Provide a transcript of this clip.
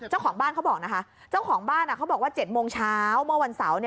เจ้าของบ้านเขาบอกนะคะเจ้าของบ้านเขาบอกว่า๗โมงเช้าเมื่อวันเสาร์